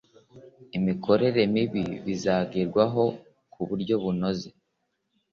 imikorere mibi bizagerwaho ku buryo bunoze